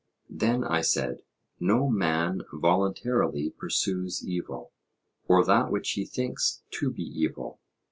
Then, I said, no man voluntarily pursues evil, or that which he thinks to be evil.